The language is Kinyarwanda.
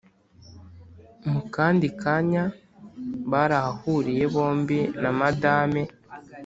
mu kandi kanya barahahuriye bombi na madame